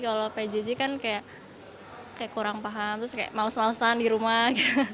kalau pjj kan kayak kurang paham terus kayak males malesan di rumah gitu